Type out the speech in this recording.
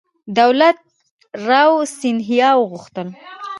دولت راو سیندهیا وغوښتل.